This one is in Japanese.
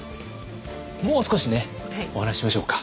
もう少しねお話ししましょうか。